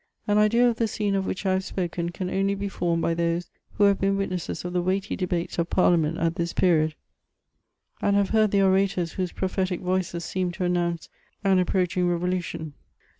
An idea of the scene of which I have spoken can only be formed by those who have been witnesses of the weighty debates of parHament at this period, and have heaid the orators whoee prophetic , voices seemed to announce an approaching revolution.